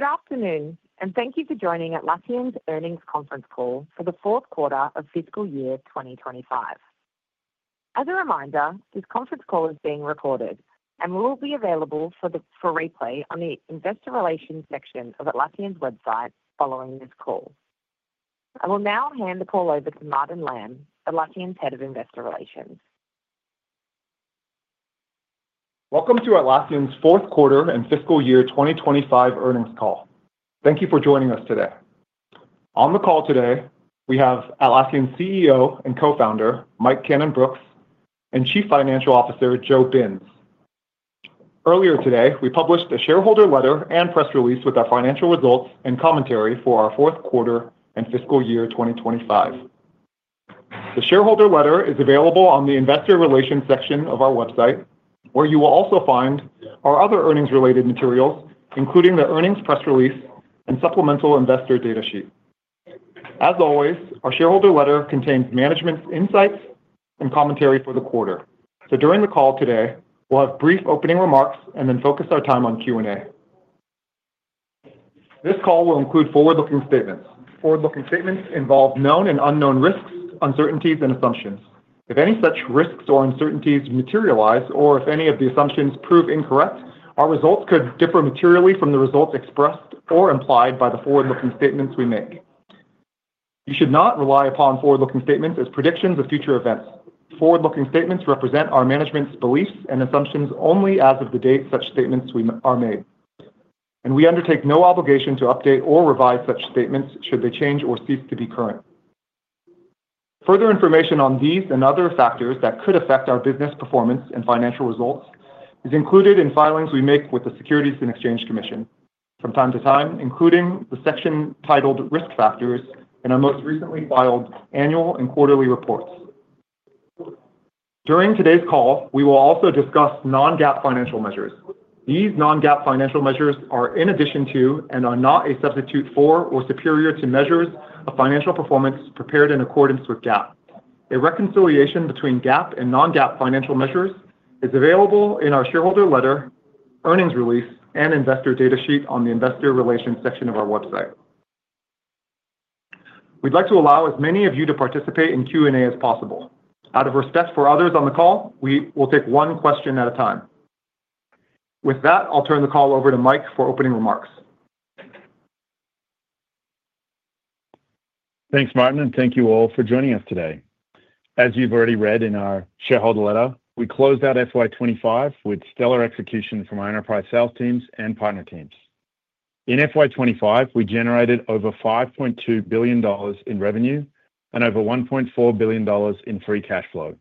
Good afternoon and thank you for joining Atlassian's earnings conference call for the fourth quarter of fiscal year 2025. As a reminder, this conference call is being recorded and will be available for replay on the Investor Relations section of Atlassian's website following this call. I will now hand the call over to Martin Lam, Atlassian's Head of Investor Relations. Welcome to Atlassian's Fourth Quarter and Fiscal Year 2025 Earnings Call. Thank you for joining us today. On the call today, we have Atlassian's CEO and Co-Founder, Mike Cannon-Brookes, and Chief Financial Officer, Joe Binz. Earlier today, we published a shareholder letter and press release with our financial results and commentary for our fourth quarter and fiscal year 2025. The shareholder letter is available on the Investor Relations section of our website, where you will also find our other earnings-related materials, including the earnings press release and supplemental investor data sheet. As always, our shareholder letter contains management's insights and commentary for the quarter. During the call today, we'll have brief opening remarks and then focus our time on Q&A. This call will include forward-looking statements. Forward-looking statements involve known and unknown risks, uncertainties, and assumptions. If any such risks or uncertainties materialize, or if any of the assumptions prove incorrect, our results could differ materially from the results expressed or implied by the forward-looking statements we make. You should not rely upon forward-looking statements as predictions of future events. Forward-looking statements represent our management's beliefs and assumptions only as of the date such statements are made. We undertake no obligation to update or revise such statements should they change or cease to be current. Further information on these and other factors that could affect our business performance and financial results is included in filings we make with the Securities and Exchange Commission from time to time, including the section titled Risk Factors in our most recently filed annual and quarterly reports. During today's call, we will also discuss non-GAAP financial measures. These non-GAAP financial measures are in addition to and are not a substitute for or superior to measures of financial performance prepared in accordance with GAAP. A reconciliation between GAAP and non-GAAP financial measures is available in our shareholder letter, earnings release, and investor data sheet on the Investor Relations section of our website. We'd like to allow as many of you to participate in Q&A as possible. Out of respect for others on the call, we will take one question at a time. With that, I'll turn the call over to Mike for opening remarks. Thanks, Martin, and thank you all for joining us today. As you've already read in our shareholder letter, we closed out FY 2025 with stellar execution from our enterprise sales teams and partner teams. In FY 2025, we generated over 5.2 billion dollars in revenue and over 1.4 billion dollars in free cash flow,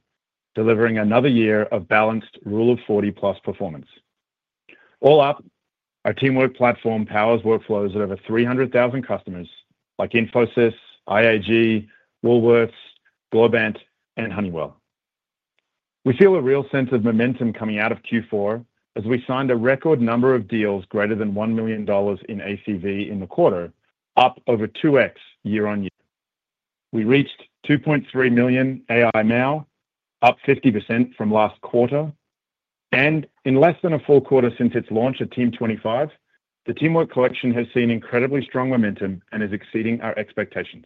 delivering another year of balanced Rule of 40 plus performance. All up, our Teamwork Platform powers workflows at over 300,000 customers like Infosys, IAG, Woolworths, Globant, and Honeywell. We feel a real sense of momentum coming out of Q4 as we signed a record number of deals greater than 1 million dollars in ACV in the quarter, up over 2x year-on-year. We reached 2.3 million AI Now, up 50% from last quarter. In less than a full quarter since its launch at Team '25, the Teamwork Collection has seen incredibly strong momentum and is exceeding our expectations.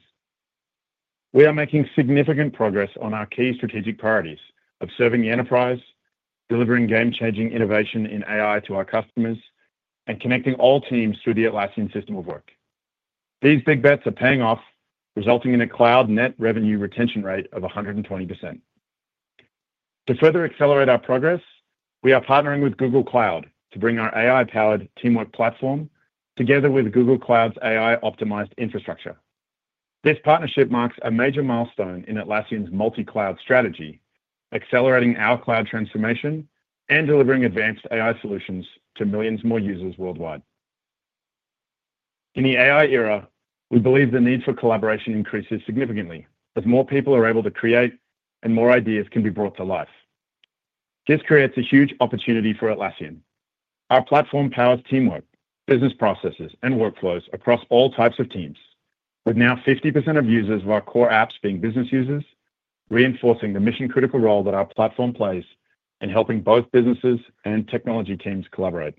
We are making significant progress on our key strategic priorities, observing the enterprise, delivering game-changing innovation in AI to our customers, and connecting all teams through the Atlassian system of work. These big bets are paying off, resulting in a cloud net revenue retention rate of 120%. To further accelerate our progress, we are partnering with Google Cloud to bring our AI-powered Teamwork Platform together with Google Cloud's AI-optimized infrastructure. This partnership marks a major milestone in Atlassian's multi-cloud strategy, accelerating our cloud transformation and delivering advanced AI solutions to millions more users worldwide. In the AI era, we believe the need for collaboration increases significantly as more people are able to create and more ideas can be brought to life. This creates a huge opportunity for Atlassian. Our platform powers teamwork, business processes, and workflows across all types of teams, with now 50% of users of our core apps being business users, reinforcing the mission-critical role that our platform plays in helping both businesses and technology teams collaborate.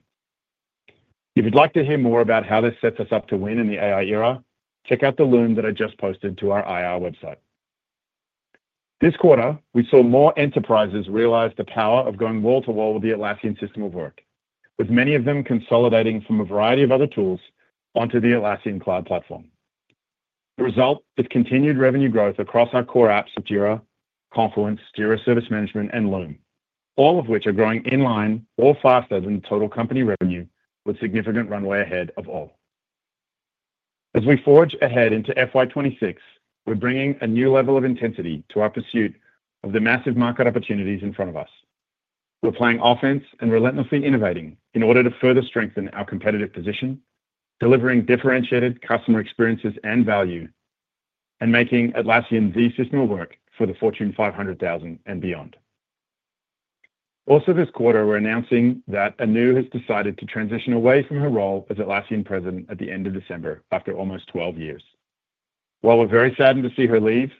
If you'd like to hear more about how this sets us up to win in the AI era, check out the Loom that I just posted to our IR website. This quarter, we saw more enterprises realize the power of going wall to wall with the Atlassian system of work, with many of them consolidating from a variety of other tools onto the Atlassian Cloud Platform. The result is continued revenue growth across our core apps: Jira, Confluence, Jira Service Management, and Loom, all of which are growing in line or faster than total company revenue, with significant runway ahead of all. As we forge ahead into FY 2026, we're bringing a new level of intensity to our pursuit of the massive market opportunities in front of us. We're playing offense and relentlessly innovating in order to further strengthen our competitive position, delivering differentiated customer experiences and value, and making Atlassian the system of work for the Fortune 500,000 and beyond. Also, this quarter, we're announcing that Anu Bharadwaj has decided to transition away from her role as Atlassian President at the end of December after almost 12 years. While we're very saddened to see her leave,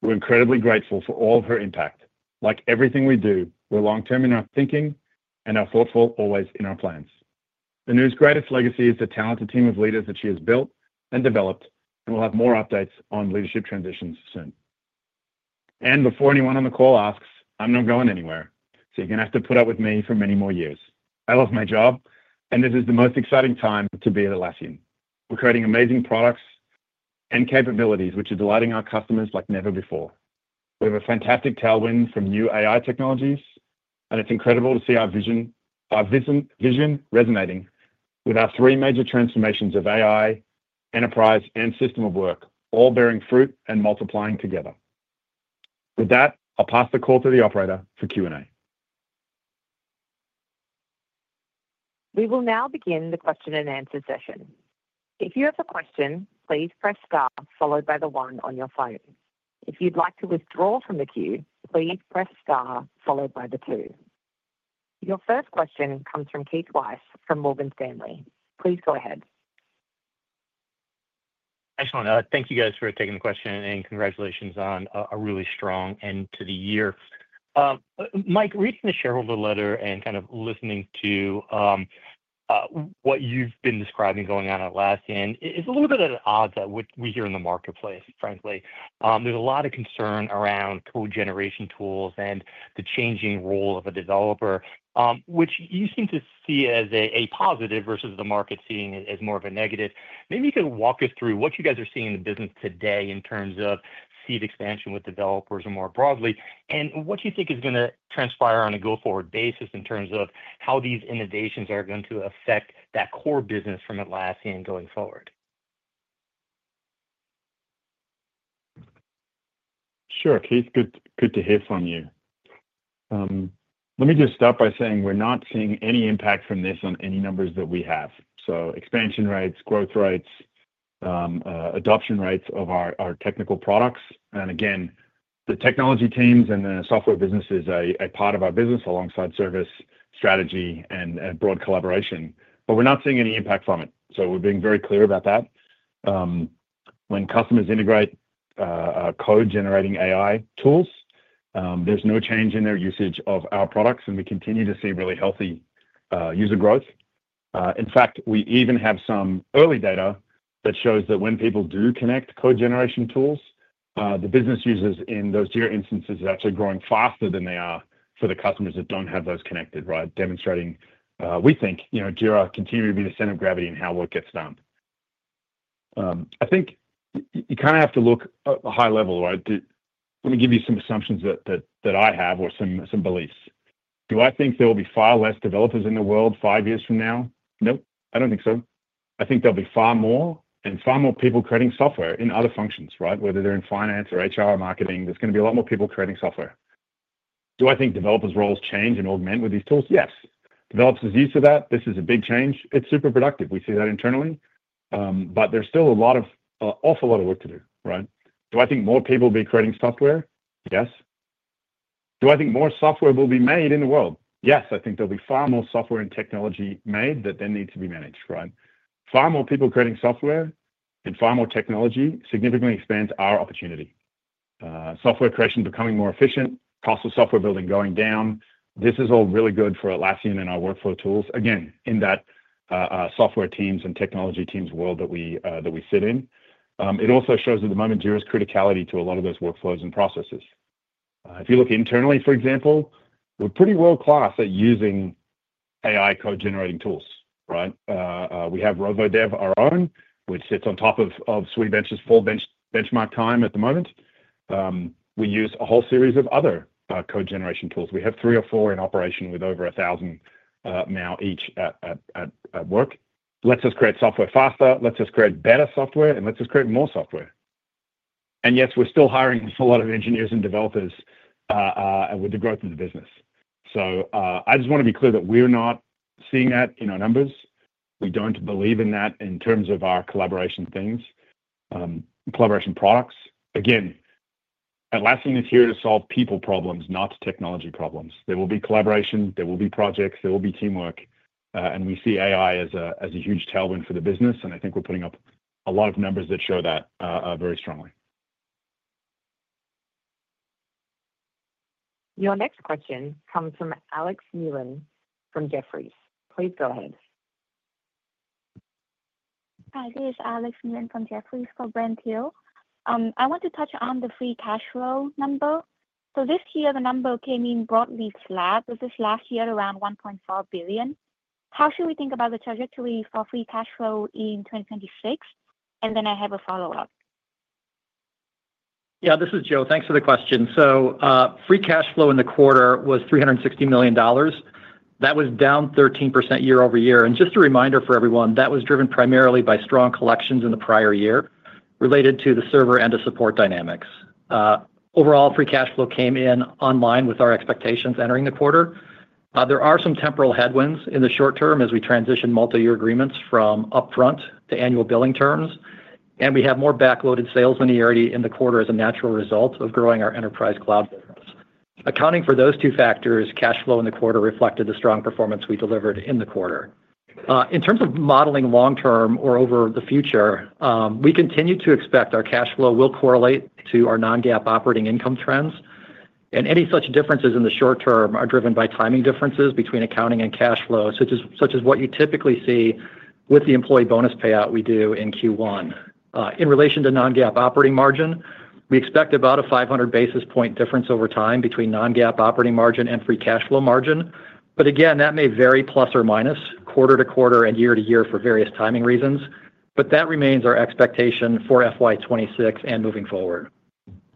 we're incredibly grateful for all of her impact. Like everything we do, we're long-term in our thinking and our thoughts will always be in our plans. Anu Bharadwaj's greatest legacy is the talented team of leaders that she has built and developed, and we'll have more updates on leadership transitions soon. Before anyone on the call asks, I'm not going anywhere, so you're going to have to put up with me for many more years. I love my job, and this is the most exciting time to be at Atlassian. We're creating amazing products and capabilities which are delighting our customers like never before. We have a fantastic tailwind from new AI technologies, and it's incredible to see our vision resonating with our three major transformations of AI, enterprise, and system of work, all bearing fruit and multiplying together. With that, I'll pass the call to the operator for Q&A. We will now begin the question-and-answer session. If you have a question, please press star followed by the one on your phone. If you'd like to withdraw from the queue, please press star followed by the two. Your first question comes from Keith Weiss from Morgan Stanley. Please go ahead. Excellent. Thank you guys for taking the question and congratulations on a really strong end to the year. Mike, reading the shareholder letter and kind of listening to what you've been describing going on at Atlassian, it's a little bit at odds with what we hear in the marketplace, frankly. There's a lot of concern around code generation tools and the changing role of a developer, which you seem to see as a positive versus the market seeing it as more of a negative. Maybe you could walk us through what you guys are seeing in the business today in terms of seat expansion with developers more broadly and what you think is going to transpire on a go-forward basis in terms of how these innovations are going to affect that core business from Atlassian going forward. Sure, Keith. Good to hear from you. Let me just start by saying we're not seeing any impact from this on any numbers that we have. Expansion rates, growth rates, adoption rates of our technical products, and again, the technology teams and the software businesses are part of our business alongside service strategy and broad collaboration. We're not seeing any impact from it. We're being very clear about that. When customers integrate code-generating AI tools, there's no change in their usage of our products, and we continue to see really healthy user growth. In fact, we even have some early data that shows that when people do connect code generation tools, the business users in those Jira instances are actually growing faster than they are for the customers that don't have those connected, right? Demonstrating, we think, you know, Jira continuing to be the center of gravity in how work gets done. I think you kind of have to look at a high level, right? Let me give you some assumptions that I have or some beliefs. Do I think there will be far less developers in the world five years from now? Nope, I don't think so. I think there'll be far more and far more people creating software in other functions, right? Whether they're in finance or HR or marketing, there's going to be a lot more people creating software. Do I think developers' roles change and augment with these tools? Yes. Developers are used to that. This is a big change. It's super productive. We see that internally. There's still a lot of, an awful lot of work to do, right? Do I think more people will be creating software? Yes. Do I think more software will be made in the world? Yes. I think there'll be far more software and technology made that then needs to be managed, right? Far more people creating software and far more technology significantly expands our opportunity. Software creation becoming more efficient, cost of software building going down. This is all really good for Atlassian and our workflow tools. Again, in that software teams and technology teams world that we sit in, it also shows at the moment Jira's criticality to a lot of those workflows and processes. If you look internally, for example, we're pretty world-class at using AI code-generating tools, right? We have Rovo Dev, our own, which sits on top of SWE-bench's full benchmark time at the moment. We use a whole series of other code generation tools. We have three or four in operation with over 1,000 now each at work. It lets us create software faster, lets us create better software, and lets us create more software. Yes, we're still hiring a lot of engineers and developers with the growth of the business. I just want to be clear that we're not seeing that in our numbers. We don't believe in that in terms of our collaboration things, collaboration products. Atlassian is here to solve people problems, not technology problems. There will be collaboration, there will be projects, there will be teamwork. We see AI as a huge tailwind for the business. I think we're putting up a lot of numbers that show that very strongly. Your next question comes from Alex Nguyen from Jefferies. Please go ahead. Hi, this is Alex Nguyen from Jefferies for Brent Thill. I want to touch on the free cash flow number. This year, the number came in broadly flat, but this last year around 1.5 billion. How should we think about the trajectory for free cash flow in 2026? I have a follow-up. Yeah, this is Joe. Thanks for the question. Free cash flow in the quarter was 360 million dollars. That was down 13% year-over-year. Just a reminder for everyone, that was driven primarily by strong collections in the prior year related to the server and the support dynamics. Overall, free cash flow came in online with our expectations entering the quarter. There are some temporal headwinds in the short term as we transition multi-year agreements from upfront to annual billing terms. We have more backloaded sales money already in the quarter as a natural result of growing our enterprise cloud. Accounting for those two factors, cash flow in the quarter reflected the strong performance we delivered in the quarter. In terms of modeling long term or over the future, we continue to expect our cash flow will correlate to our non-GAAP operating income trends. Any such differences in the short term are driven by timing differences between accounting and cash flow, such as what you typically see with the employee bonus payout we do in Q1. In relation to non-GAAP operating margin, we expect about a 500 basis point difference over time between non-GAAP operating margin and free cash flow margin. That may vary plus or minus quarter-to-quarter and year-to-year for various timing reasons. That remains our expectation for FY 2026 and moving forward.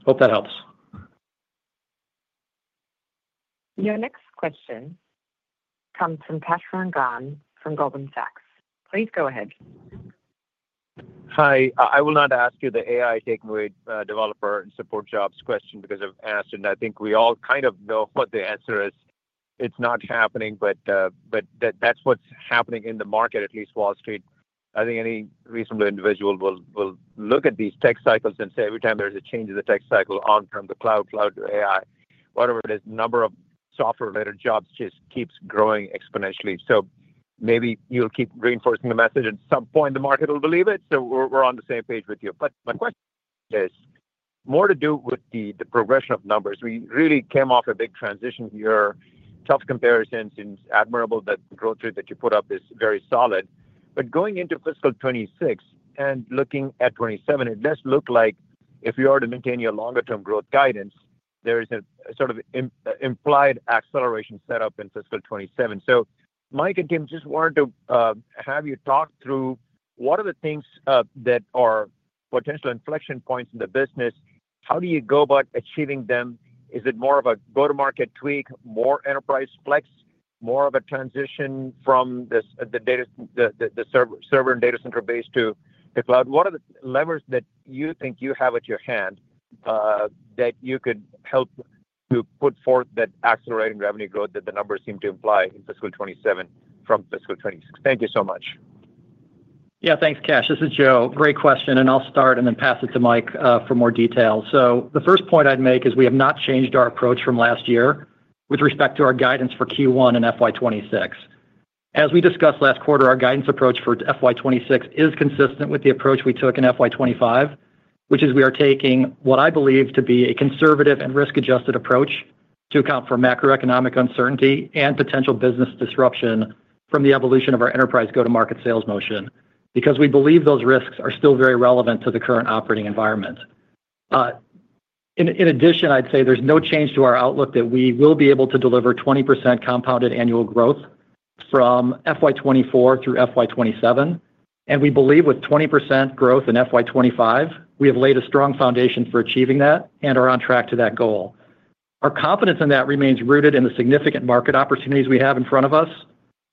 Hope that helps. Your next question comes from Kash Rangan from Goldman Sachs. Please go ahead. Hi. I will not ask you the AI takeaway developer and support jobs question because I've asked it and I think we all kind of know what the answer is. It's not happening, but that's what's happening in the market, at least Wall Street. I think any reasonable individual will look at these tech cycles and say every time there's a change in the tech cycle on from the cloud, cloud to AI, whatever it is, the number of software-related jobs just keeps growing exponentially. Maybe you'll keep reinforcing the message at some point the market will believe it. We're on the same page with you. My question is more to do with the progression of numbers. We really came off a big transition here. Tough comparison seems admirable that the growth rate that you put up is very solid. Going into fiscal 2026 and looking at 2027, it does look like if you are to maintain your longer-term growth guidance, there is a sort of implied acceleration set up in fiscal 2027. Mike and Kim, just wanted to have you talk through what are the things that are potential inflection points in the business. How do you go about achieving them? Is it more of a go-to-market tweak, more enterprise flex, more of a transition from the server and data center base to the cloud? What are the levers that you think you have at your hand that you could help to put forth that accelerating revenue growth that the numbers seem to imply in fiscal 2027 from fiscal 2026? Thank you so much. Yeah, thanks, Kash. This is Joe. Great question. I'll start and then pass it to Mike for more details. The first point I'd make is we have not changed our approach from last year with respect to our guidance for Q1 and FY 2026. As we discussed last quarter, our guidance approach for FY 2026 is consistent with the approach we took in FY 2025, which is we are taking what I believe to be a conservative and risk-adjusted approach to account for macroeconomic uncertainty and potential business disruption from the evolution of our enterprise go-to-market sales motion because we believe those risks are still very relevant to the current operating environment. In addition, I'd say there's no change to our outlook that we will be able to deliver 20% compounded annual growth from FY 2024 through FY 2027. We believe with 20% growth in FY 2025, we have laid a strong foundation for achieving that and are on track to that goal. Our confidence in that remains rooted in the significant market opportunities we have in front of us,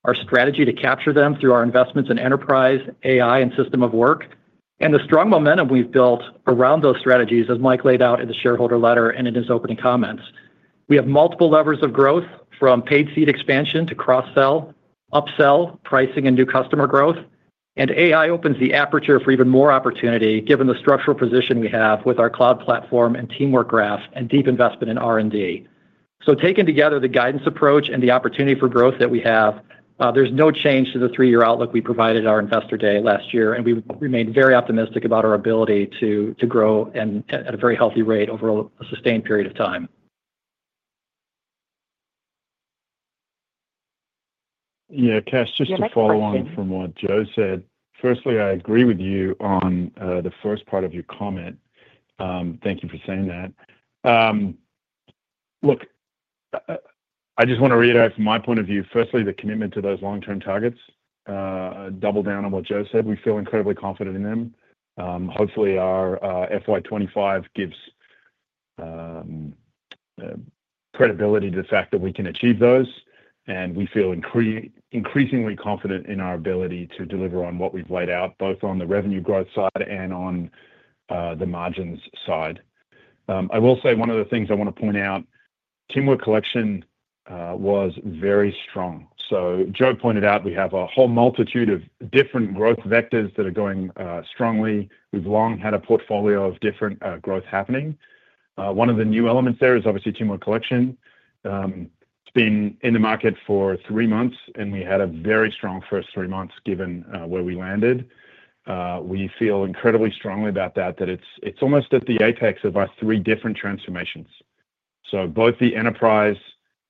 our strategy to capture them through our investments in enterprise, AI, and system of work, and the strong momentum we've built around those strategies, as Mike laid out in the shareholder letter and in his opening comments. We have multiple levers of growth from paid seat expansion to cross-sell, upsell, pricing, and new customer growth. AI opens the aperture for even more opportunity given the structural position we have with our cloud platform and teamwork graph and deep investment in R&D. Taken together, the guidance approach and the opportunity for growth that we have, there's no change to the three-year outlook we provided our investor day last year, and we remain very optimistic about our ability to grow at a very healthy rate over a sustained period of time. Yeah, Kash, just to follow on from what Joe said, firstly, I agree with you on the first part of your comment. Thank you for saying that. I just want to reiterate from my point of view, firstly, the commitment to those long-term targets. Double down on what Joe said. We feel incredibly confident in them. Hopefully, our FY 2025 gives credibility to the fact that we can achieve those. We feel increasingly confident in our ability to deliver on what we've laid out, both on the revenue growth side and on the margins side. I will say one of the things I want to point out, Teamwork Collection was very strong. Joe pointed out we have a whole multitude of different growth vectors that are going strongly. We've long had a portfolio of different growth happening. One of the new elements there is obviously Teamwork Collection. It's been in the market for three months, and we had a very strong first three months given where we landed. We feel incredibly strongly about that, that it's almost at the apex of our three different transformations. Both the enterprise,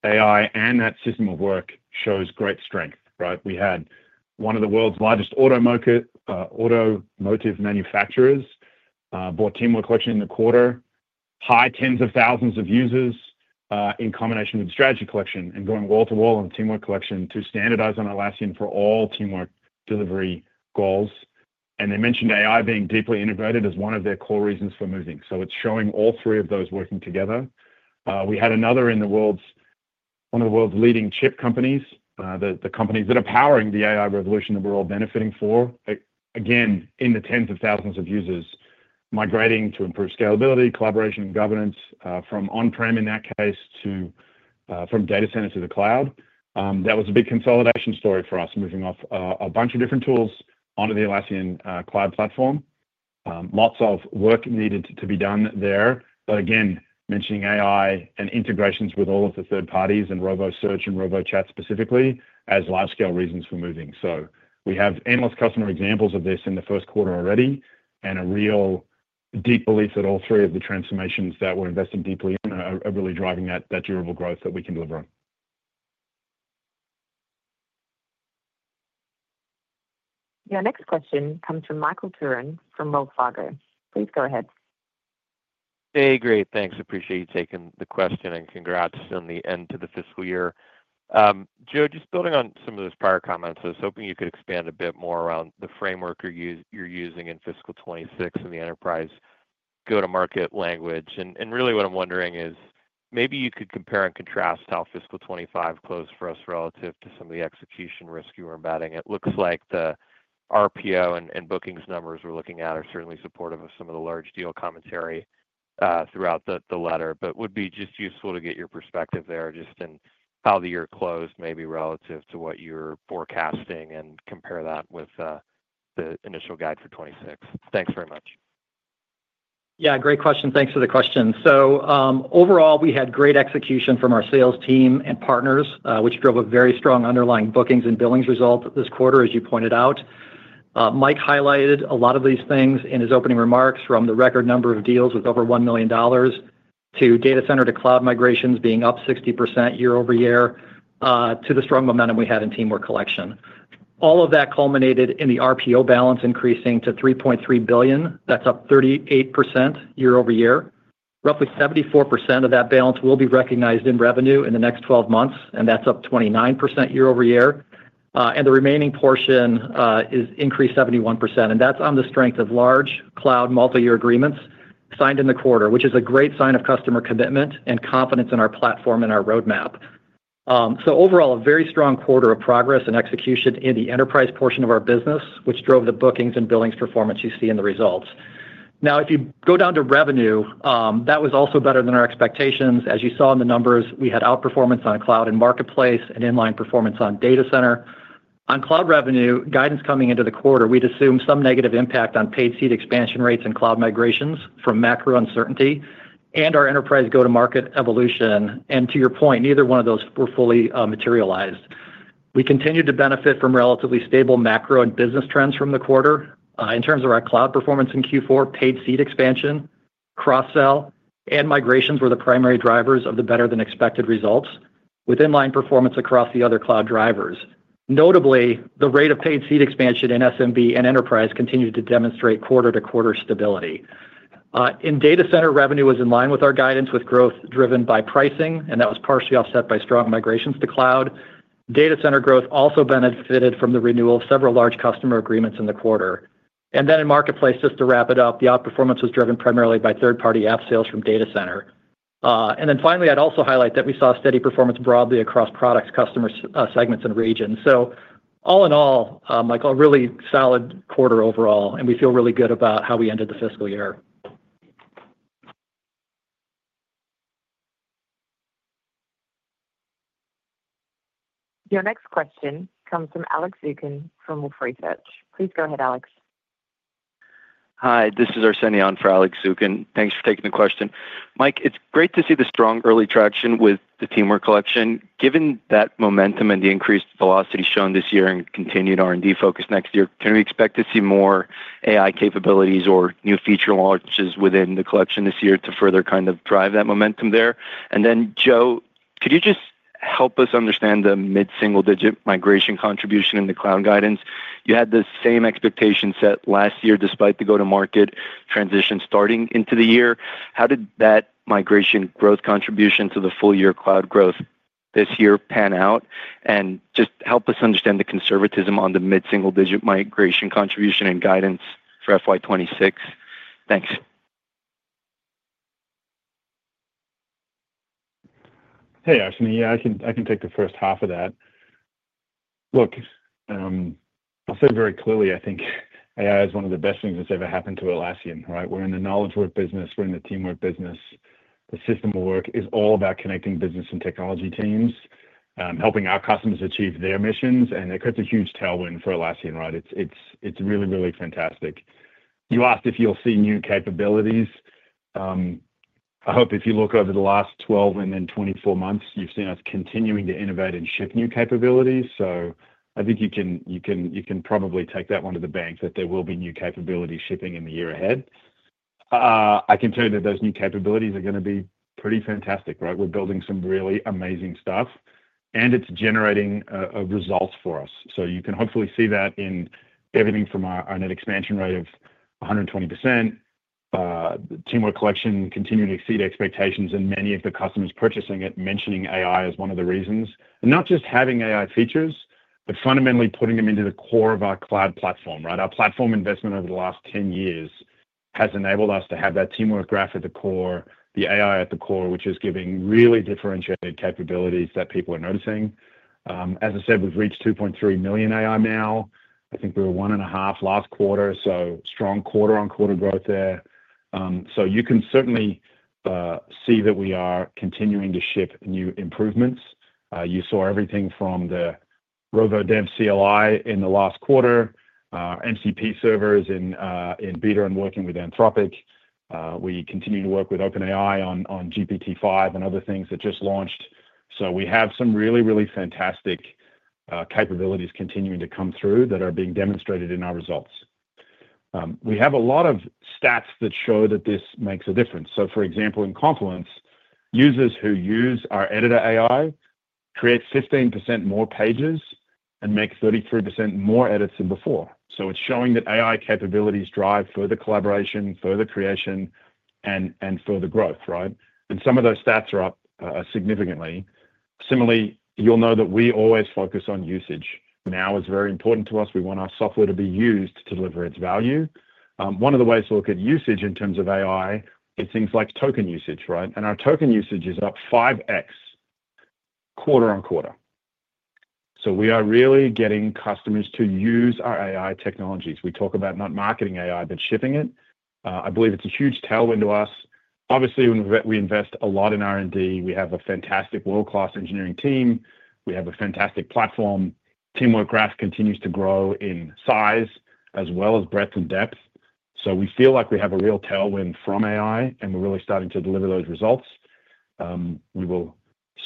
AI, and that system of work show great strength, right? We had one of the world's largest automotive manufacturers buy Teamwork Collection in the quarter, high tens of thousands of users in combination with Strategy Collection and going wall to wall on Teamwork Collection to standardize on Atlassian for all teamwork delivery goals. They mentioned AI being deeply innovative as one of their core reasons for moving. It's showing all three of those working together. We had another in the world's leading chip companies, the companies that are powering the AI revolution that we're all benefiting from, again, in the tens of thousands of users migrating to improve scalability, collaboration, and governance from on-prem in that case, from Data Center to the cloud. That was a big consolidation story for us, moving off a bunch of different tools onto the Atlassian cloud platform. Lots of work needed to be done there. Again, mentioning AI and integrations with all of the third parties and robo search and robo chat specifically as large-scale reasons for moving. We have endless customer examples of this in the first quarter already and a real deep belief that all three of the transformations that we're investing deeply in are really driving that durable growth that we can deliver. Your next question comes from Michael Turrin from Wells Fargo. Please go ahead. Hey, great. Thanks. Appreciate you taking the question and congrats on the end to the fiscal year. Joe, just building on some of those prior comments, I was hoping you could expand a bit more around the framework you're using in fiscal 2026 and the enterprise go-to-market language. What I'm wondering is maybe you could compare and contrast how fiscal 2025 closed for us relative to some of the execution risk you were embedding. It looks like the RPO and bookings numbers we're looking at are certainly supportive of some of the large deal commentary throughout the letter, but it would be just useful to get your perspective there in how the year closed maybe relative to what you were forecasting and compare that with the initial guide for 2026. Thanks very much. Yeah, great question. Thanks for the question. Overall, we had great execution from our sales team and partners, which drove a very strong underlying bookings and billings result this quarter, as you pointed out. Mike highlighted a lot of these things in his opening remarks, from the record number of deals with over 1 million dollars to data center to cloud migrations being up 60% year-over-year to the strong momentum we had in Teamwork Collection. All of that culminated in the RPO balance increasing to 3.3 billion. That's up 38% year-over-year. Roughly 74% of that balance will be recognized in revenue in the next 12 months, and that's up 29% year-over-year. The remaining portion increased 71%, and that's on the strength of large cloud multi-year agreements signed in the quarter, which is a great sign of customer commitment and confidence in our platform and our roadmap. Overall, a very strong quarter of progress and execution in the enterprise portion of our business, which drove the bookings and billings performance you see in the results. Now, if you go down to revenue, that was also better than our expectations. As you saw in the numbers, we had outperformance on cloud and marketplace and inline performance on data center. On cloud revenue, guidance coming into the quarter had assumed some negative impact on paid seat expansion rates and cloud migrations from macro uncertainty and our enterprise go-to-market evolution. To your point, neither one of those fully materialized. We continued to benefit from relatively stable macro and business trends from the quarter. In terms of our cloud performance in Q4, paid seat expansion, cross-sell, and migrations were the primary drivers of the better-than-expected results, with inline performance across the other cloud drivers. Notably, the rate of paid seat expansion in SMB and enterprise continued to demonstrate quarter-to-quarter stability. In data center, revenue was in line with our guidance, with growth driven by pricing, and that was partially offset by strong migrations to cloud. Data center growth also benefited from the renewal of several large customer agreements in the quarter. In marketplace, just to wrap it up, the outperformance was driven primarily by third-party app sales from data center. Finally, I'd also highlight that we saw steady performance broadly across products, customer segments, and regions. All in all, Mike, a really solid quarter overall, and we feel really good about how we ended the fiscal year. Your next question comes from Alex Zukin from Wolfe Research. Please go ahead, Alex. Hi, this is Arsenije Matovic for Alex Zukin. Thanks for taking the question. Mike, it's great to see the strong early traction with the Teamwork Collection. Given that momentum and the increased velocity shown this year and continued R&D focus next year, can we expect to see more AI capabilities or new feature launches within the collection this year to further kind of drive that momentum there? Joe, could you just help us understand the mid-single-digit migration contribution in the cloud guidance? You had the same expectation set last year despite the go-to-market transition starting into the year. How did that migration growth contribution to the full-year cloud growth this year pan out? Please help us understand the conservatism on the mid-single-digit migration contribution and guidance for FY 2026. Thanks. Hey, Arsenije. Yeah, I can take the first half of that. Look, I'll say it very clearly. I think AI is one of the best things that's ever happened to Atlassian, right? We're in the knowledge work business. We're in the teamwork business. The system of work is all about connecting business and technology teams, helping our customers achieve their missions, and it creates a huge tailwind for Atlassian, right? It's really, really fantastic. You asked if you'll see new capabilities. I hope if you look over the last 12 and then 24 months, you've seen us continuing to innovate and ship new capabilities. I think you can probably take that one to the bank that there will be new capabilities shipping in the year ahead. I can tell you that those new capabilities are going to be pretty fantastic, right? We're building some really amazing stuff, and it's generating results for us. You can hopefully see that in everything from our net expansion rate of 120%, Teamwork Collection continuing to exceed expectations, and many of the customers purchasing it mentioning AI as one of the reasons. Not just having AI features, but fundamentally putting them into the core of our cloud platform, right? Our platform investment over the last 10 years has enabled us to have that teamwork graph at the core, the AI at the core, which is giving really differentiated capabilities that people are noticing. As I said, we've reached 2.3 million AI Now. I think we were one and a half last quarter. Strong quarter-on-quarter growth there. You can certainly see that we are continuing to ship new improvements. You saw everything from the Rovo Dev CLI in the last quarter, MCP servers in beta and working with Anthropic. We continue to work with OpenAI on GPT-5 and other things that just launched. We have some really, really fantastic capabilities continuing to come through that are being demonstrated in our results. We have a lot of stats that show that this makes a difference. For example, in Confluence, users who use our editor AI create 15% more pages and make 33% more edits than before. It's showing that AI capabilities drive further collaboration, further creation, and further growth, right? Some of those stats are up significantly. Similarly, you'll know that we always focus on usage. Now is very important to us. We want our software to be used to deliver its value. One of the ways to look at usage in terms of AI is things like token usage, right? Our token usage is up 5x quarter-on-quarter. We are really getting customers to use our AI technologies. We talk about not marketing AI, but shipping it. I believe it's a huge tailwind to us. Obviously, we invest a lot in R&D. We have a fantastic world-class engineering team. We have a fantastic platform. Teamwork Graph continues to grow in size as well as breadth and depth. We feel like we have a real tailwind from AI, and we're really starting to deliver those results. We will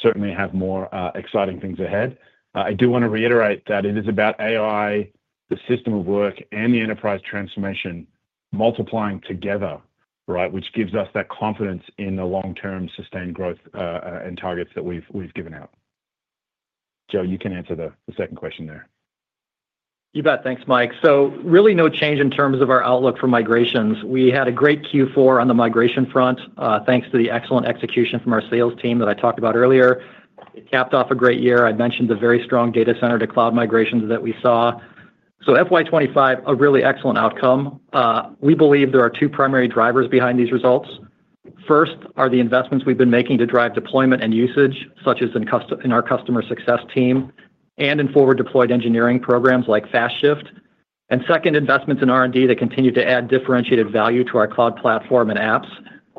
certainly have more exciting things ahead. I do want to reiterate that it is about AI, the system of work, and the enterprise transformation multiplying together, right? Which gives us that confidence in the long-term sustained growth and targets that we've given out. Joe, you can answer the second question there. You bet. Thanks, Mike. Really, no change in terms of our outlook for migrations. We had a great Q4 on the migration front, thanks to the excellent execution from our sales team that I talked about earlier. It capped off a great year. I mentioned the very strong data center to cloud migrations that we saw. FY 2025, a really excellent outcome. We believe there are two primary drivers behind these results. First are the investments we've been making to drive deployment and usage, such as in our customer success team and in forward-deployed engineering programs like FastShift. Second, investments in R&D that continue to add differentiated value to our cloud platform and apps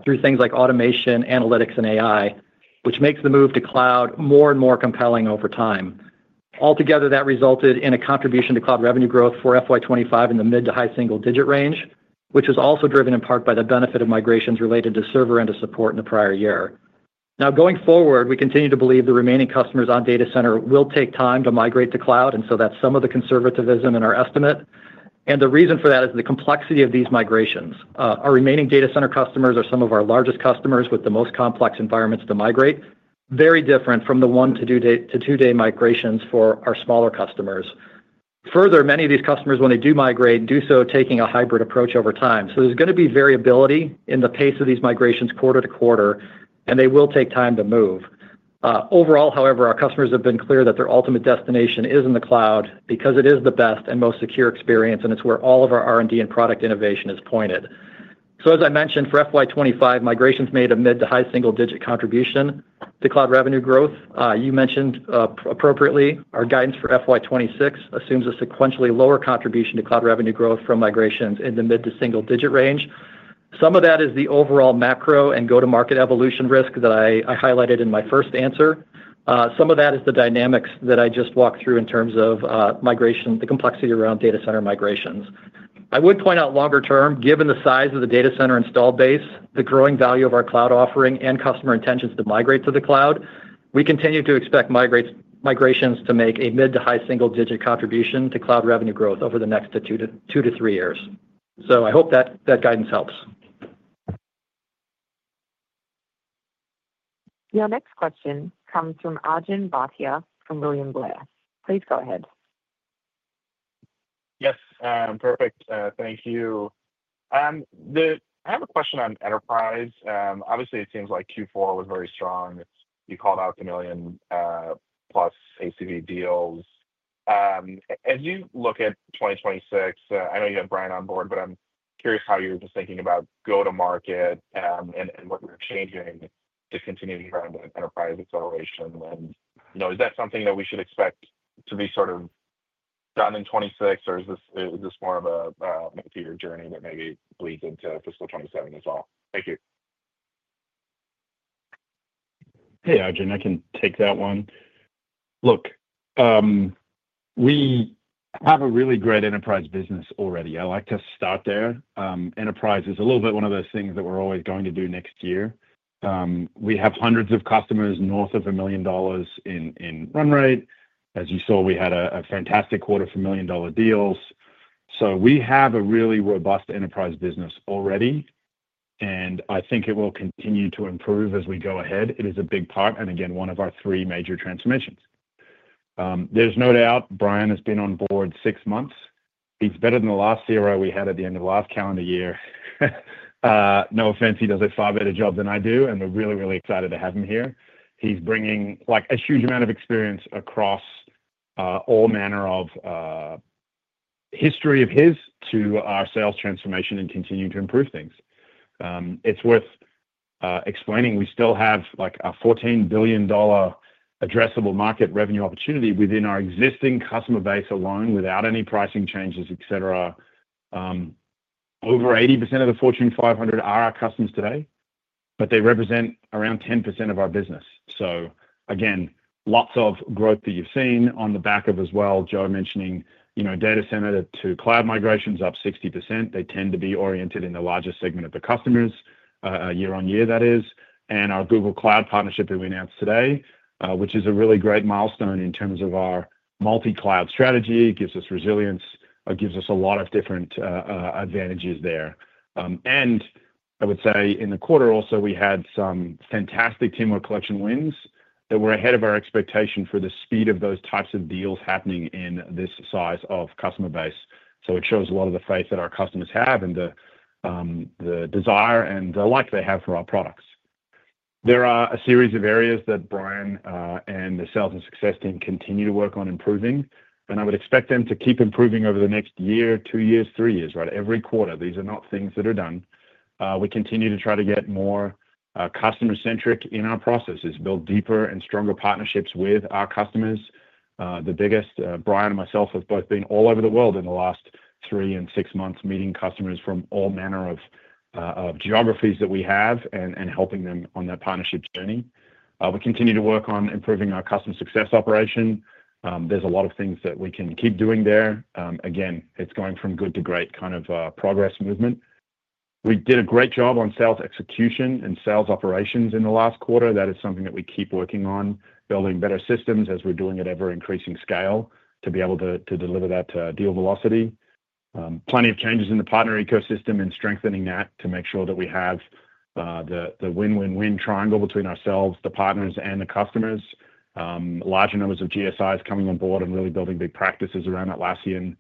through things like automation, analytics, and AI, which makes the move to cloud more and more compelling over time. Altogether, that resulted in a contribution to cloud revenue growth for FY 2025 in the mid to high single-digit range, which is also driven in part by the benefit of migrations related to server and to support in the prior year. Going forward, we continue to believe the remaining customers on data center will take time to migrate to cloud, and that's some of the conservatism in our estimate. The reason for that is the complexity of these migrations. Our remaining data center customers are some of our largest customers with the most complex environments to migrate, very different from the one-to-today migrations for our smaller customers. Further, many of these customers, when they do migrate, do so taking a hybrid approach over time. There is going to be variability in the pace of these migrations quarter-to-quarter, and they will take time to move. Overall, however, our customers have been clear that their ultimate destination is in the cloud because it is the best and most secure experience, and it's where all of our R&D and product innovation is pointed. As I mentioned, for FY 2025, migrations made a mid to high single-digit contribution to cloud revenue growth. You mentioned appropriately, our guidance for FY 2026 assumes a sequentially lower contribution to cloud revenue growth from migrations in the mid to single-digit range. Some of that is the overall macro and go-to-market evolution risk that I highlighted in my first answer. Some of that is the dynamics that I just walked through in terms of migration, the complexity around data center migrations. I would point out longer term, given the size of the data center installed base, the growing value of our cloud offering, and customer intentions to migrate to the cloud, we continue to expect migrations to make a mid to high single-digit contribution to cloud revenue growth over the next two to three years. I hope that guidance helps. Your next question comes from Arjun Bhatia from William Blair. Please go ahead. Yes, perfect. Thank you. I have a question on enterprise. Obviously, it seems like Q4 was very strong. You called out the million-plus ACV deals. As you look at 2026, I know you have Brian on board, but I'm curious how you're just thinking about go-to-market and what you're changing to continue to get around the enterprise acceleration. Is that something that we should expect to be sort of done in 2026, or is this more of a two-year journey that maybe leads into fiscal 2027 as well? Thank you. Hey, Arjun. I can take that one. Look, we have a really great enterprise business already. I like to start there. Enterprise is a little bit one of those things that we're always going to do next year. We have hundreds of customers north of 1 million dollars in run rate. As you saw, we had a fantastic quarter for million-dollar deals. We have a really robust enterprise business already, and I think it will continue to improve as we go ahead. It is a big part, and again, one of our three major transformations. There is no doubt Brian has been on board six months. He's better than the last CRO we had at the end of the last calendar year. No offense, he does a far better job than I do, and we're really, really excited to have him here. He's bringing a huge amount of experience across all manner of history of his to our sales transformation and continuing to improve things. It's worth explaining we still have a 14 billion dollar addressable market revenue opportunity within our existing customer base alone without any pricing changes, et cetera. Over 80% of the Fortune 500 are our customers today, but they represent around 10% of our business. Again, lots of growth that you've seen on the back of as well, Joe mentioning, you know, data center to cloud migrations up 60%. They tend to be oriented in the largest segment of the customers year-on-year, that is. Our Google Cloud partnership that we announced today, which is a really great milestone in terms of our multi-cloud strategy, gives us resilience, gives us a lot of different advantages there. I would say in the quarter also, we had some fantastic Teamwork Collection wins that were ahead of our expectation for the speed of those types of deals happening in this size of customer base. It shows a lot of the faith that our customers have and the desire and the like they have for our products. There are a series of areas that Brian and the sales and success team continue to work on improving, and I would expect them to keep improving over the next year, two years, three years, right? Every quarter, these are not things that are done. We continue to try to get more customer-centric in our processes, build deeper and stronger partnerships with our customers. The biggest, Brian and myself, have both been all over the world in the last three and six months, meeting customers from all manner of geographies that we have and helping them on their partnership journey. We continue to work on improving our customer success operation. There's a lot of things that we can keep doing there. It's going from good to great kind of progress movement. We did a great job on sales execution and sales operations in the last quarter. That is something that we keep working on, building better systems as we're doing at ever-increasing scale to be able to deliver that deal velocity. Plenty of changes in the partner ecosystem and strengthening that to make sure that we have the win-win-win triangle between ourselves, the partners, and the customers. Larger numbers of GSIs coming on board and really building big practices around Atlassian.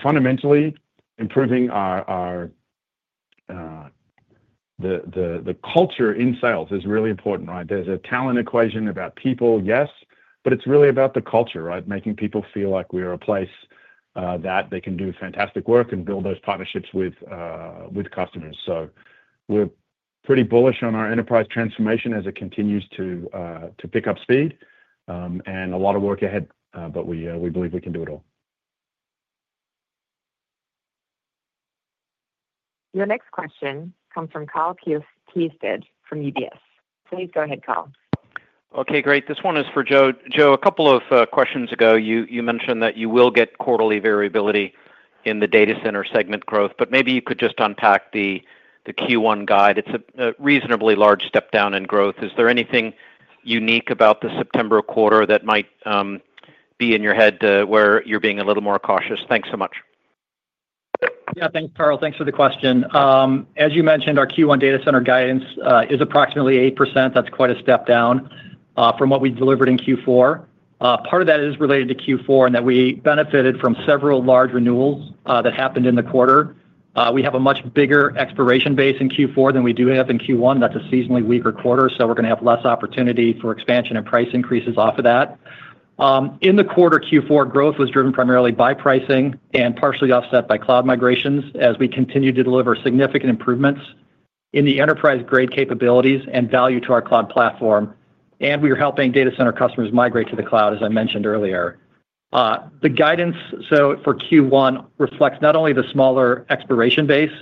Fundamentally, improving the culture in sales is really important, right? There's a talent equation about people, yes, but it's really about the culture, right? Making people feel like we are a place that they can do fantastic work and build those partnerships with customers. We're pretty bullish on our enterprise transformation as it continues to pick up speed and a lot of work ahead, but we believe we can do it all. Your next question comes from Kyle Keirstead from UBS. Please go ahead, Kyle. Okay, great. This one is for Joe. Joe, a couple of questions ago, you mentioned that you will get quarterly variability in the data center segment growth, but maybe you could just unpack the Q1 guide. It's a reasonably large step down in growth. Is there anything unique about the September quarter that might be in your head where you're being a little more cautious? Thanks so much. Yeah, thanks, Kyle. Thanks for the question. As you mentioned, our Q1 data center guidance is approximately 8%. That's quite a step down from what we delivered in Q4. Part of that is related to Q4 in that we benefited from several large renewals that happened in the quarter. We have a much bigger expiration base in Q4 than we do have in Q1. That is a seasonally weaker quarter, so we are going to have less opportunity for expansion and price increases off of that. In the quarter, Q4 growth was driven primarily by pricing and partially offset by cloud migrations as we continue to deliver significant improvements in the enterprise-grade capabilities and value to our cloud platform. We are helping data center customers migrate to the cloud, as I mentioned earlier. The guidance for Q1 reflects not only the smaller expiration base,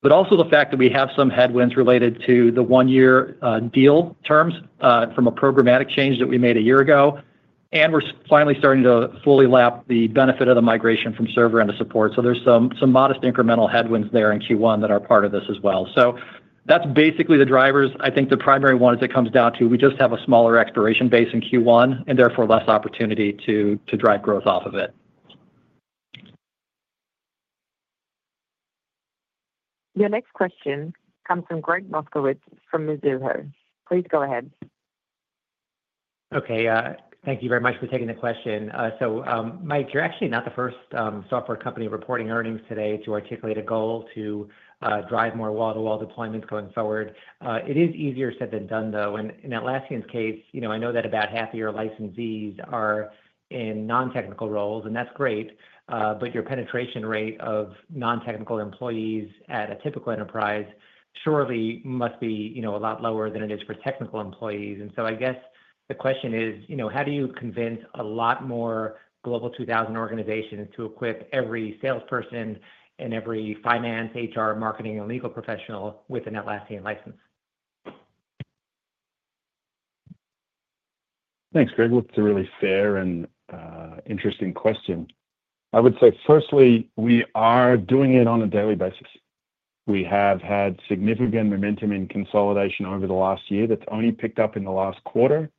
but also the fact that we have some headwinds related to the one-year deal terms from a programmatic change that we made a year ago. We are finally starting to fully lap the benefit of the migration from server and the support. There are some modest incremental headwinds there in Q1 that are part of this as well. That is basically the drivers. I think the primary one that comes down to, we just have a smaller expiration base in Q1 and therefore less opportunity to drive growth off of it. Your next question comes from Gregg Moskowitz from Mizuho. Please go ahead. Okay, thank you very much for taking the question. Mike, you're actually not the first software company reporting earnings today to articulate a goal to drive more wall-to-wall deployments going forward. It is easier said than done, though. In Atlassian's case, I know that about 1/2 of your licensees are in non-technical roles, and that's great. Your penetration rate of non-technical employees at a typical enterprise surely must be a lot lower than it is for technical employees. I guess the question is, how do you convince a lot more Global 2000 organizations to equip every salesperson and every finance, HR, marketing, and legal professional with an Atlassian license? Thanks, Gregg. That's a really fair and interesting question. I would say firstly, we are doing it on a daily basis. We have had significant momentum in consolidation over the last year that's only picked up in the last quarter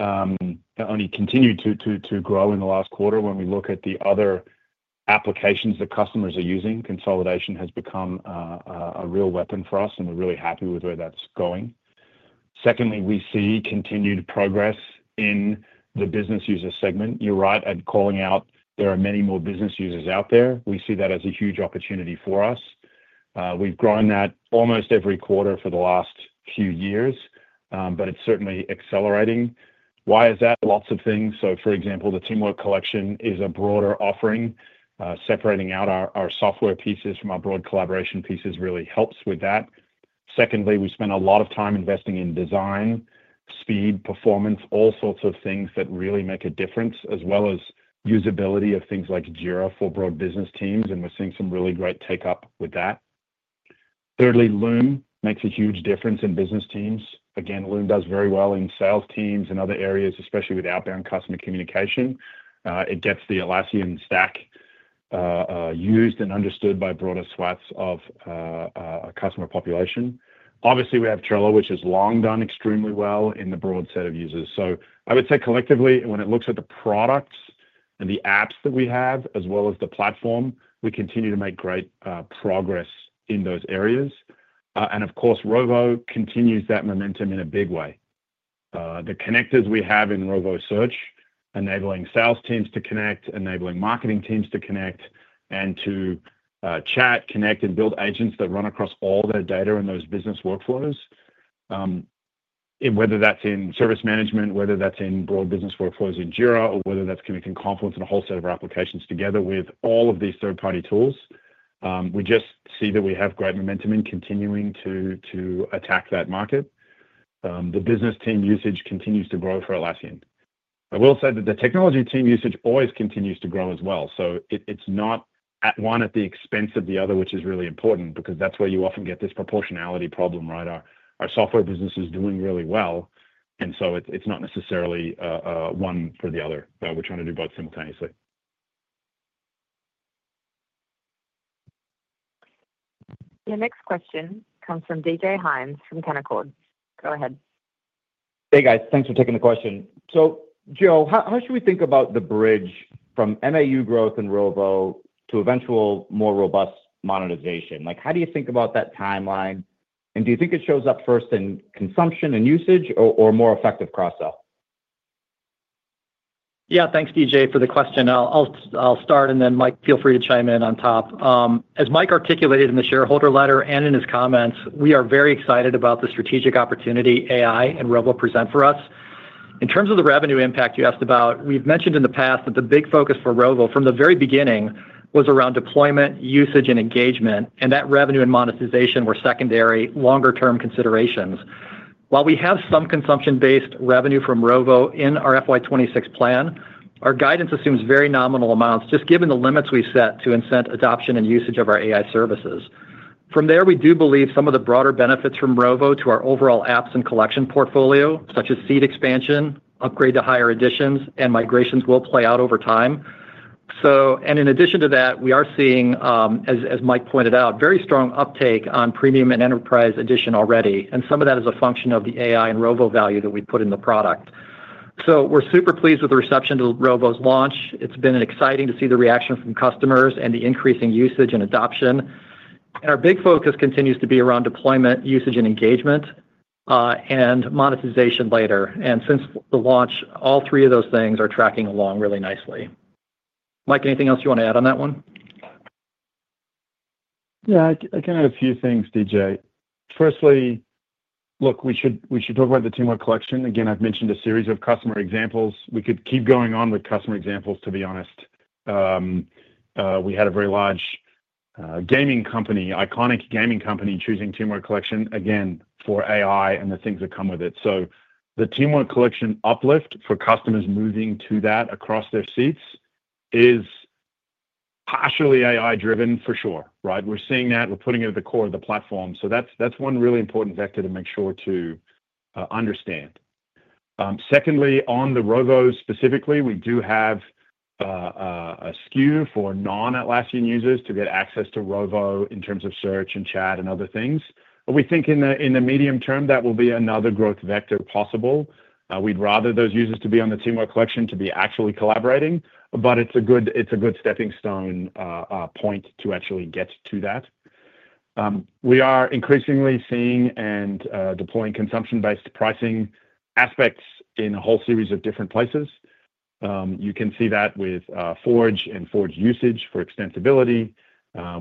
and only continued to grow in the last quarter. When we look at the other applications that customers are using, consolidation has become a real weapon for us, and we're really happy with where that's going. Secondly, we see continued progress in the business user segment. You're right at calling out there are many more business users out there. We see that as a huge opportunity for us. We've grown that almost every quarter for the last few years, but it's certainly accelerating. Why is that? Lots of things. For example, the Teamwork Collection is a broader offering. Separating out our software pieces from our broad collaboration pieces really helps with that. Secondly, we spend a lot of time investing in design, speed, performance, all sorts of things that really make a difference, as well as usability of things like Jira for broad business teams, and we're seeing some really great take-up with that. Thirdly, Loom makes a huge difference in business teams. Again, Loom does very well in sales teams and other areas, especially with outbound customer communication. It gets the Atlassian stack used and understood by broader swaths of our customer population. Obviously, we have Trello, which has long done extremely well in the broad set of users. I would say collectively, when it looks at the products and the apps that we have, as well as the platform, we continue to make great progress in those areas. Of course, Rovo continues that momentum in a big way. The connectors we have in Rovo Search enable sales teams to connect, enable marketing teams to connect, and to chat, connect, and build agents that run across all their data and those business workflows. Whether that's in service management, whether that's in broad business workflows in Jira, or whether that's connecting Confluence and a whole set of applications together with all of these third-party tools, we just see that we have great momentum in continuing to attack that market. The business team usage continues to grow for Atlassian. I will say that the technology team usage always continues to grow as well. It's not one at the expense of the other, which is really important because that's where you often get this proportionality problem, right? Our software business is doing really well, and it's not necessarily one for the other. We're trying to do both simultaneously. Your next question comes from David Hynes from Canaccord. Go ahead. Hey, guys. Thanks for taking the question. Joe, how should we think about the bridge from MAU growth in Rovo to eventual more robust monetization? How do you think about that timeline? Do you think it shows up first in consumption and usage or more effective cross-sell? Yeah, thanks, David, for the question. I'll start, and then Mike, feel free to chime in on top. As Mike articulated in the shareholder letter and in his comments, we are very excited about the strategic opportunity AI and Rovo present for us. In terms of the revenue impact you asked about, we've mentioned in the past that the big focus for Rovo from the very beginning was around deployment, usage, and engagement, and that revenue and monetization were secondary longer-term considerations. While we have some consumption-based revenue from Rovo in our FY 2026 plan, our guidance assumes very nominal amounts just given the limits we set to incent adoption and usage of our AI services. From there, we do believe some of the broader benefits from Rovo to our overall apps and collection portfolio, such as seat expansion, upgrade to higher editions, and migrations, will play out over time. In addition to that, we are seeing, as Mike pointed out, very strong uptake on premium and enterprise edition already, and some of that is a function of the AI and Rovo value that we put in the product. We're super pleased with the reception to Rovo's launch. It's been exciting to see the reaction from customers and the increasing usage and adoption. Our big focus continues to be around deployment, usage, and engagement and monetization later. Since the launch, all three of those things are tracking along really nicely. Mike, anything else you want to add on that one? Yeah, I can add a few things, David. Firstly, look, we should talk about the Teamwork Collection. Again, I've mentioned a series of customer examples. We could keep going on with customer examples, to be honest. We had a very large gaming company, iconic gaming company, choosing Teamwork Collection again for AI and the things that come with it. The Teamwork Collection uplift for customers moving to that across their seats is partially AI-driven for sure, right? We're seeing that. We're putting it at the core of the platform. That's one really important vector to make sure to understand. Secondly, on the Rovo specifically, we do have a SKU for non-Atlassian users to get access to Rovo in terms of search and chat and other things. We think in the medium term, that will be another growth vector possible. We'd rather those users to be on the Teamwork Collection to be actually collaborating, but it's a good stepping stone point to actually get to that. We are increasingly seeing and deploying consumption-based pricing aspects in a whole series of different places. You can see that with Forge and Forge usage for extensibility.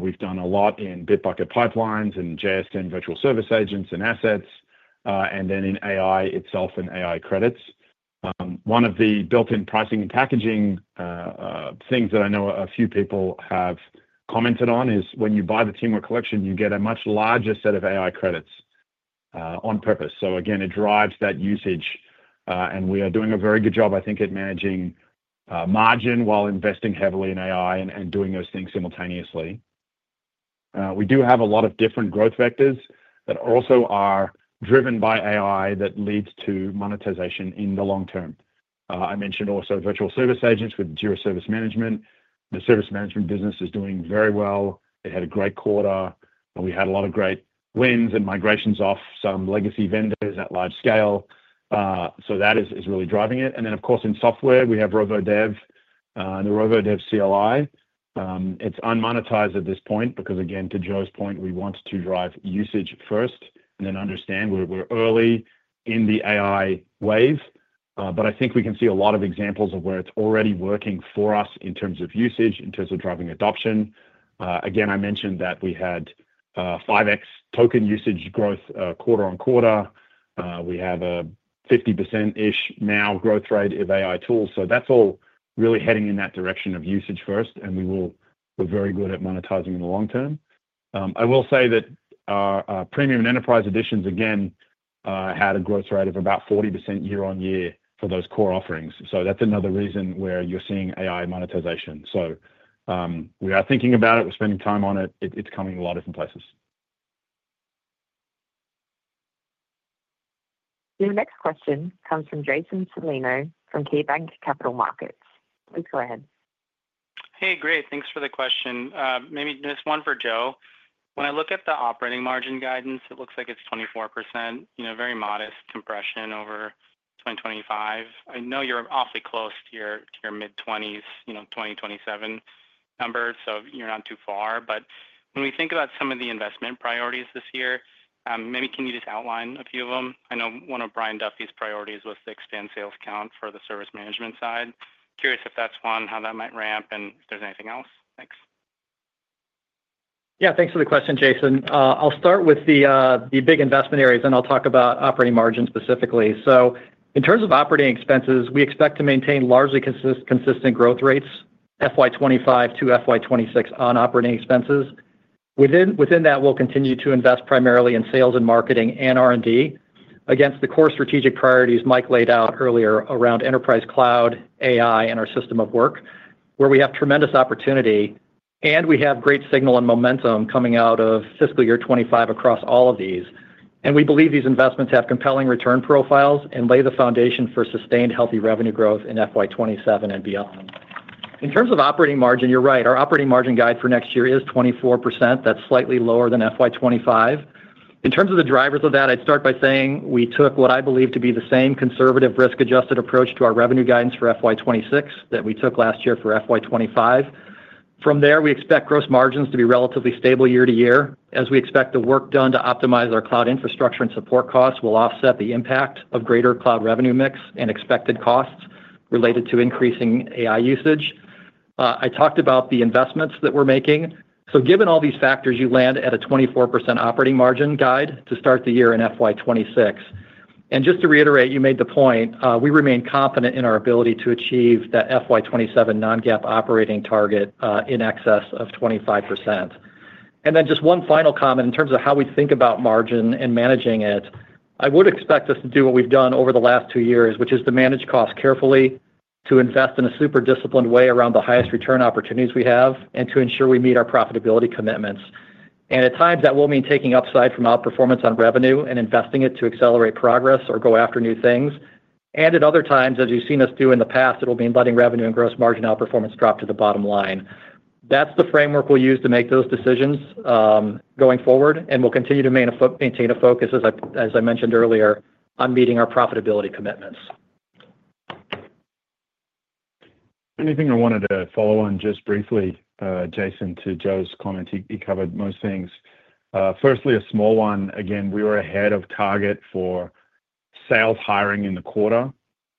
We've done a lot in Bitbucket Pipelines and JS10 virtual service agents and assets, and then in AI itself and AI credits. One of the built-in pricing and packaging things that I know a few people have commented on is when you buy the Teamwork Collection, you get a much larger set of AI credits on purpose. Again, it drives that usage, and we are doing a very good job, I think, at managing margin while investing heavily in AI and doing those things simultaneously. We do have a lot of different growth vectors that also are driven by AI that leads to monetization in the long term. I mentioned also virtual service agents with Jira Service Management. The service management business is doing very well. It had a great quarter. We had a lot of great wins and migrations off some legacy vendors at large scale. That is really driving it. In software, we have Rovo Dev and the Rovo Dev CLI. It's unmonetized at this point because, again, to Joe's point, we want to drive usage first and then understand we're early in the AI wave. I think we can see a lot of examples of where it's already working for us in terms of usage, in terms of driving adoption. Again, I mentioned that we had 5x token usage growth quarter-on-quarter. We have a 50%‑ish now growth rate of AI tools. That is all really heading in that direction of usage first, and we will be very good at monetizing in the long term. I will say that our premium and enterprise editions, again, had a growth rate of about 40% year-on-year for those core offerings. That is another reason where you're seeing AI monetization. We are thinking about it, we're spending time on it, and it's coming in a lot of different places. Your next question comes from Jason Celino from KeyBanc Capital Markets. Please go ahead. Hey, great. Thanks for the question. Maybe this one for Joe. When I look at the operating margin guidance, it looks like it's 24%, you know, very modest compression over 2025. I know you're awfully close to your mid-20s, you know, 2027 number, so you're not too far. When we think about some of the investment priorities this year, maybe can you just outline a few of them? I know one of Brian Duffy's priorities was to expand sales count for the service management side. Curious if that's one, how that might ramp, and if there's anything else. Thanks. Yeah, thanks for the question, Jason. I'll start with the big investment areas, and I'll talk about operating margin specifically. In terms of operating expenses, we expect to maintain largely consistent growth rates FY 2025 to FY 2026 on operating expenses. Within that, we'll continue to invest primarily in Sales and Marketing and R&D against the core strategic priorities Mike laid out earlier around enterprise cloud, AI, and our system of work, where we have tremendous opportunity, and we have great signal and momentum coming out of fiscal year 2025 across all of these. We believe these investments have compelling return profiles and lay the foundation for sustained, healthy revenue growth in FY 2027 and beyond. In terms of operating margin, you're right. Our operating margin guide for next year is 24%. That's slightly lower than FY 2025. In terms of the drivers of that, I'd start by saying we took what I believe to be the same conservative risk-adjusted approach to our revenue guidance for FY 2026 that we took last year for FY 2025. From there, we expect gross margins to be relatively stable year-to-year, as we expect the work done to optimize our cloud infrastructure and support costs will offset the impact of greater cloud revenue mix and expected costs related to increasing AI usage. I talked about the investments that we're making. Given all these factors, you land at a 24% operating margin guide to start the year in FY 2026. Just to reiterate, you made the point we remain confident in our ability to achieve that FY 2027 non-GAAP operating target in excess of 25%. One final comment in terms of how we think about margin and managing it. I would expect us to do what we've done over the last two years, which is to manage costs carefully, to invest in a super disciplined way around the highest return opportunities we have, and to ensure we meet our profitability commitments. At times, that will mean taking upside from outperformance on revenue and investing it to accelerate progress or go after new things. At other times, as you've seen us do in the past, it'll mean letting revenue and gross margin outperformance drop to the bottom line. That's the framework we'll use to make those decisions going forward, and we'll continue to maintain a focus, as I mentioned earlier, on meeting our profitability commitments. Anything I wanted to follow on just briefly, Jason, to Joe's comment. He covered most things. Firstly, a small one. Again, we were ahead of target for sales hiring in the quarter.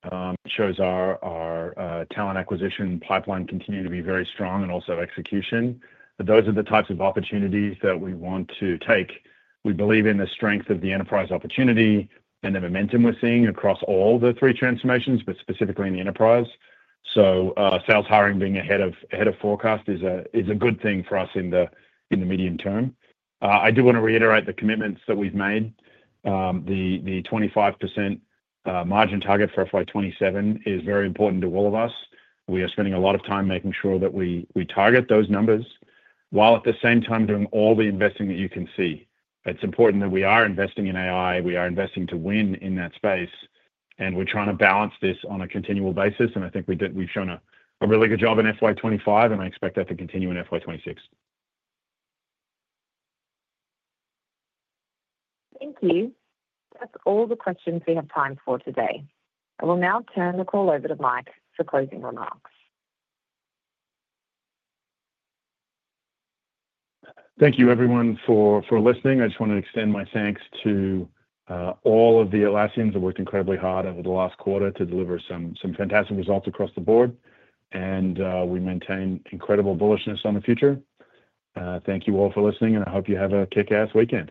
It shows our talent acquisition pipeline continuing to be very strong and also execution. Those are the types of opportunities that we want to take. We believe in the strength of the enterprise opportunity and the momentum we're seeing across all the three transformations, specifically in the enterprise. Sales hiring being ahead of forecast is a good thing for us in the medium term. I do want to reiterate the commitments that we've made. The 25% margin target for FY 2027 is very important to all of us. We are spending a lot of time making sure that we target those numbers while at the same time doing all the investing that you can see. It's important that we are investing in AI. We are investing to win in that space. We're trying to balance this on a continual basis. I think we've shown a really good job in FY 2025, and I expect that to continue in FY 2026. Thank you. That's all the questions we have time for today. I will now turn the call over to Mike for closing remarks. Thank you, everyone, for listening. I just want to extend my thanks to all of the Atlassians that worked incredibly hard over the last quarter to deliver some fantastic results across the board. We maintain incredible bullishness on the future. Thank you all for listening, and I hope you have a kick-ass weekend.